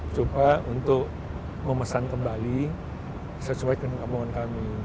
coba untuk memesan kembali sesuai dengan kebohongan kami